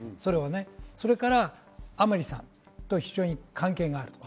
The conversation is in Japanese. それから甘利さんと非常に関係があります。